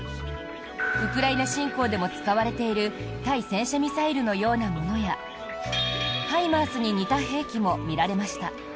ウクライナ侵攻でも使われている対戦車ミサイルのようなものやＨＩＭＡＲＳに似た兵器も見られました。